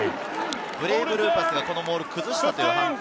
ブレイブルーパスがこのモール、崩したという判定。